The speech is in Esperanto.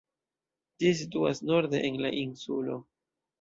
Ĝi situas norde en la insulo.